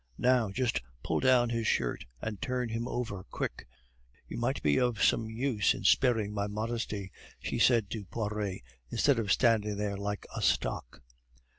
"Now! just pull down his shirt and turn him over, quick! You might be of some use in sparing my modesty," she said to Poiret, "instead of standing there like a stock."